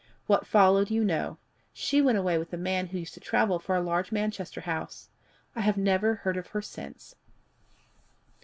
What followed you know: she went away with a man who used to travel for a large Manchester house. I have never heard of her since.